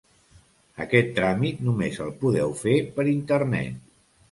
Aquest tràmit només el podeu fer per internet.